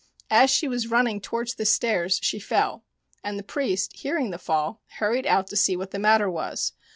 As she was running towards the stairs she fell, and the priest, hearing the fall, hurried out to see what the matter was.